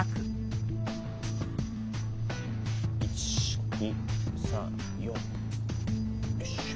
１２３４よいしょ。